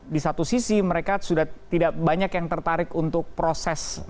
di satu sisi mereka sudah tidak banyak yang tertarik untuk proses